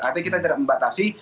artinya kita tidak membatasi